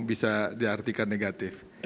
bisa diartikan negatif